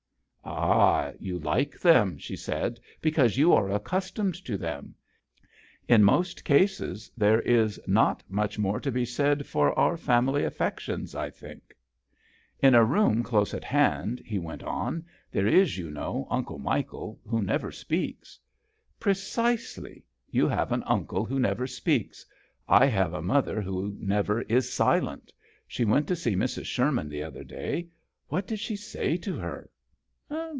"Ah! you like them," she said, " because you are accus tomed to them. In most cases there is not much more to be said for our family affec tions, I think.'' JOHN SHERMAN. 57 "In a room close at hand," he went on, " there is, you know, Uncle Michael, who never speaks." "Precisely. You have an uncle who never speaks; I have a mother who never is silent. She went to see Mrs. Sherman the other day. What did she say to her?"